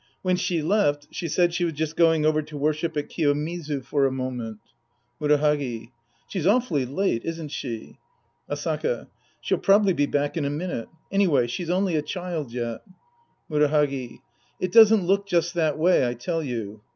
When she left, she said she was just going over to worship at Kiyomizu for a moment. Murahagi. She's awfully late, isn't she ?■ Asaka. She'll probably be back in a minute. Any way she's only a child yet. Murahagi. It doesn't look just that way, I tell you.